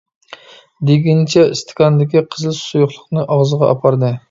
دېگىنىچە ئىستاكاندىكى قىزىل سۇيۇقلۇقنى ئاغزىغا ئاپاردى.